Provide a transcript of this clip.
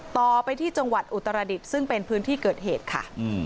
ต่อไปที่จังหวัดอุตรดิษฐ์ซึ่งเป็นพื้นที่เกิดเหตุค่ะ